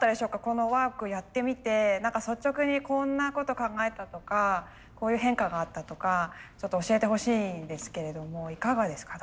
このワークやってみて何か率直にこんなこと考えたとかこういう変化があったとかちょっと教えてほしいんですけれどもいかがですか？